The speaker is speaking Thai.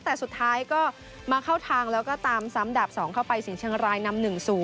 แต่สุดท้ายก็มาเข้าทางแล้วก็ตามซ้ำดับ๒เข้าไปสิ่งเชียงรายนำ๑๐